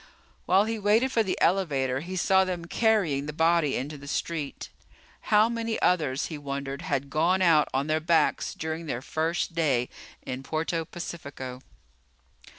While he waited for the elevator, he saw them carrying the body into the street. How many others, he wondered, had gone out on their backs during their first day in Puerto Pacifico?